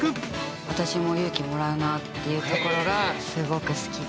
私も勇気もらうなあっていうところがすごく好きで。